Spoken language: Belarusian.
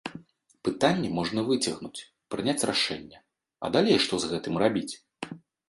Пытанне можна выцягнуць, прыняць рашэнне, а далей што з гэтым рабіць?